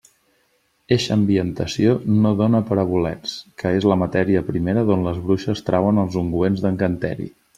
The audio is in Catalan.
Eixa ambientació no dóna per a bolets, que és la matèria primera d'on les bruixes trauen els ungüents d'encanteri.